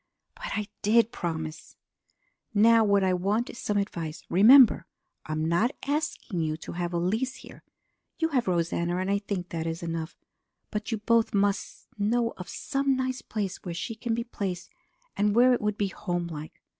But I did promise! "Now what I want is some advice. Remember, I am not asking you to have Elise here. You have Rosanna and I think that is enough. But you both must know of some nice place where she can be placed and where it would be homelike.